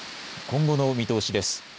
今後の見通しです。